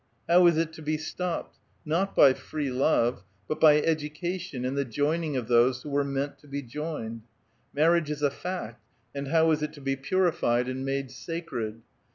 How is it to be stopped? not by free love; but by education and the joining of those who were meant to be joined. Marriage is a fact, and how is it to be purified and made sacred?